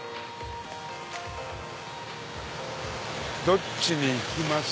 どっちに行きます。